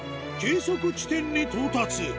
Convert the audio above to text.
計測地点に到達